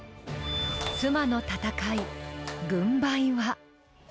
妻の戦い、軍配は。